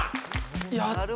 やったぜ！